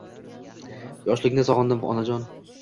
Yoshlikni sogindim onajon